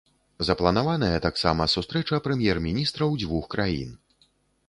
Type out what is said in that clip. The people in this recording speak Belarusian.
Запланаваная таксама сустрэча прэм'ер-міністраў дзвюх краін.